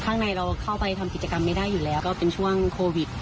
ข้างในเราเข้าไปทำกิจกรรมไม่ได้อยู่แล้วก็เป็นช่วงโควิด